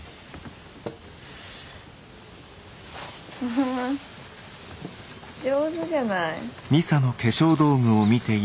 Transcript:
あー上手じゃない。